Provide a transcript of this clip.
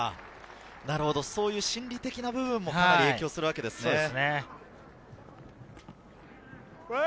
そういう心理的な部分も影響するわけですね。